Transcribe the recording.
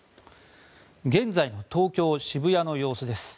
現在の東京・渋谷の様子です。